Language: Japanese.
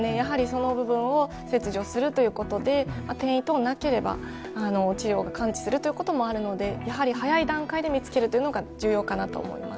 その部分を切除するということで転移等がなければ治療が完治するということもあるので早い段階で見つけるというのが重要かなと思います。